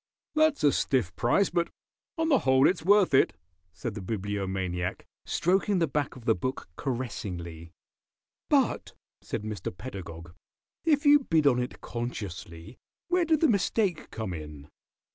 "That's a stiff price, but on the whole it's worth it," said the Bibliomaniac, stroking the back of the book caressingly. "But," said Mr. Pedagog, "if you bid on it consciously where did the mistake come in?"